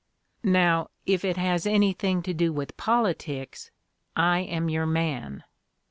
"Now, if it has anything to do with politics, I am your man."